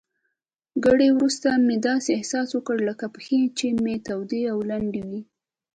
ګړی وروسته مې داسې احساس وکړل لکه پښې چي مې تودې او لندې وي.